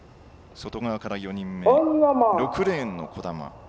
外側から４人目６レーンの兒玉です。